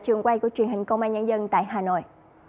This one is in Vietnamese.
trường quay của truyền hình công an nhân dân tại hà nội